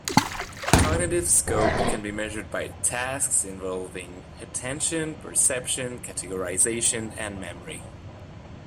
Cognitive scope can be measured by tasks involving attention, perception, categorization, and memory.